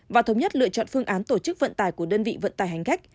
và thống nhất lựa chọn phương án tổ chức vận tải của đơn vị vận tải hành khách